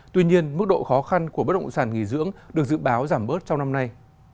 tuy nhiên mức độ khó khăn của bất động sản nghỉ dưỡng được dự báo giảm bớt trong năm nay